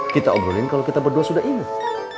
kita obrolin kalau kita berdua sudah ingin